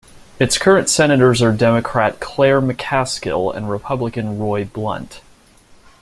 Its current Senators are Democrat Claire McCaskill and Republican Roy Blunt.